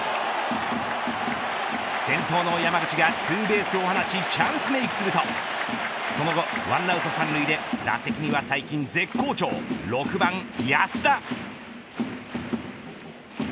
先頭の山口がツーベースを放ちチャンスメークするとその後、１アウト３塁で打席には最近絶好調６番、安田。